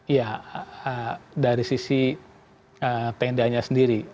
iya dari sisi pemdanya sendiri